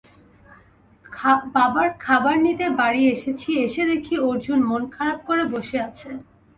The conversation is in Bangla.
বাবার খাবার নিতে বাড়ি এসেছি, এসে দেখি অর্জুন মন খারাপ করে বসে আছে।